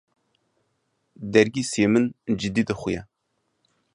Dergîsiyê min cidî dixuye.